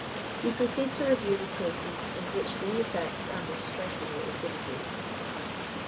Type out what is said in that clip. We proceed to review the cases in which these effects are most strikingly exhibited. 261.